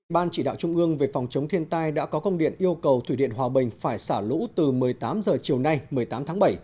ban chỉ đạo trung ương về phòng chống thiên tai đã có công điện yêu cầu thủy điện hòa bình phải xả lũ từ một mươi tám h chiều nay một mươi tám tháng bảy